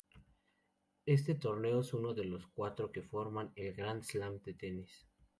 Este torneo es uno de los cuatro que forman el Grand Slam de tenis.